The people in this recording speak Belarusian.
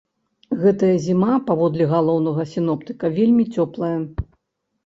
Гэтая зіма, паводле галоўнага сіноптыка, вельмі цёплая.